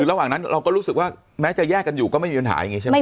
ระหว่างนั้นเราก็รู้สึกว่าแม้จะแยกกันอยู่ก็ไม่มีปัญหาอย่างนี้ใช่ไหม